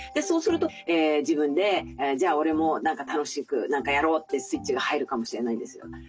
そうすると自分で「じゃあ俺も何か楽しく何かやろう」ってスイッチが入るかもしれないんですよ。